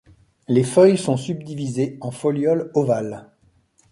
Les feuilles sont subdivisées en folioles ovales.